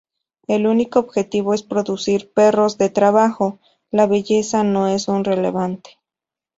El único objetivo es producir perros de trabajo, la belleza no es relevante.